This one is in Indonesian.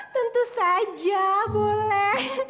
tentu saja boleh